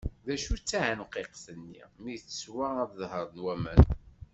D acu i d taɛenqiqt-nni, mi teswa ad d-dehṛen wamaw.